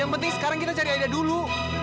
yang penting sekarang kita cari aja dulu